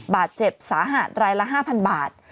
บาดเจ็บสาหัสรายละ๕๐๐บาท